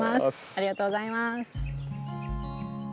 ありがとうございます。